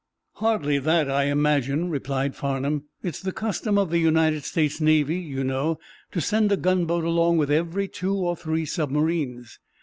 "Hardly that, I imagine," replied Farnum. "It's the custom of the United States Navy, you know, to send a gunboat along with every two or three submarines.